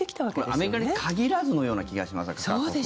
アメリカに限らずのような気がします、各国。